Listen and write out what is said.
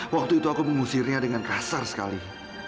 waktu itu aku mengusirnya dengan kasar sekali